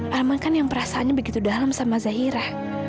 arman kan yang perasaannya begitu dalam sama zahira